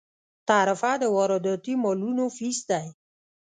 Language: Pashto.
تعرفه د وارداتي مالونو فیس دی.